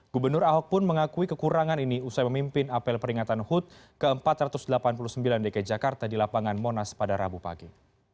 gubernur ahok pun mengakui kekurangan ini usai memimpin apel peringatan hud ke empat ratus delapan puluh sembilan dki jakarta di lapangan monas pada rabu pagi